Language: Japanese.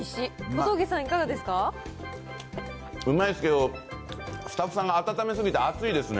小峠さん、うまいですけど、スタッフさんが温め過ぎて熱いですよ。